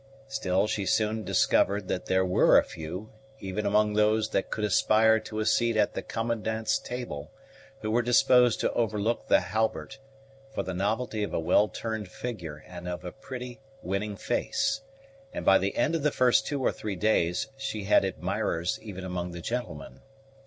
Still she soon discovered that there were a few, even among those that could aspire to a seat at the Commandant's table, who were disposed to overlook the halbert for the novelty of a well turned figure and of a pretty, winning face; and by the end of the first two or three days she had admirers even among the gentlemen.